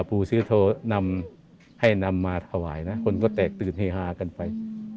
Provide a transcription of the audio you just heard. ปู่ศรีสุโธนำให้นำมาถวายนะคนก็แตกตื่นเฮฮากันไป